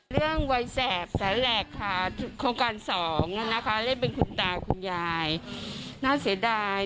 เรื่องวัยแสบแสนแหลกค่ะโครงการสองนะคะเล่นเป็นคุณตาคุณยายน่าเสียดาย